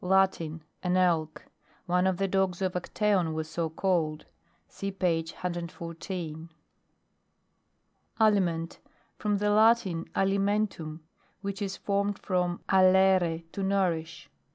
Latin, an Elk, one of the dogs of Acteon was so called. (See page 114.) ALIMENT. From the Latin, alimen tam, which is formed from oitre, to nourish.